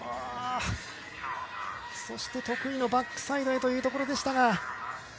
そして得意のバックサイドへというところでしたが。